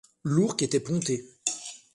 L’ourque était pontée.